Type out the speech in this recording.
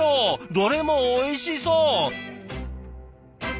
どれもおいしそう！